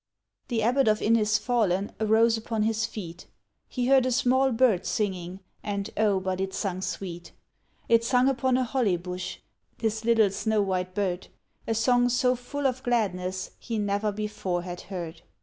The Abbot of Innisfallen arose upon his feet; He heard a small bird singing, and O but it sung sweet! It sung upon a holly bush, this little snow white bird; A song so full of gladness he never before had heard.